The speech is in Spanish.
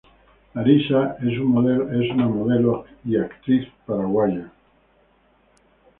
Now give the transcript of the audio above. Larissa es una modelo y actriz paraguaya.